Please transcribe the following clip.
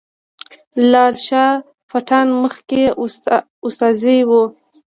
لال شاه پټان مخکې استازی وو.